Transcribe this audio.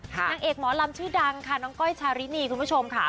นางเอกหมอลำชื่อดังค่ะน้องก้อยชารินีคุณผู้ชมค่ะ